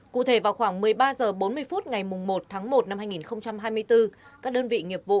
cụ thể vào khoảng một mươi ba h bốn mươi phút ngày một tháng một năm hai nghìn hai mươi bốn các đơn vị nghiệp vụ